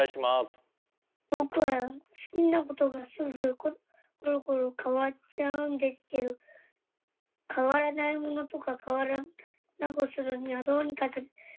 僕は好きなことがすぐコロコロ変わっちゃうんですけど変わらないものとか変わらなくするにはどうすればいいですか？